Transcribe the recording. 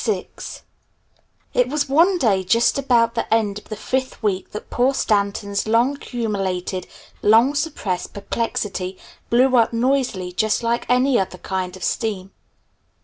VI It was one day just about the end of the fifth week that poor Stanton's long accumulated, long suppressed perplexity blew up noisily just like any other kind of steam.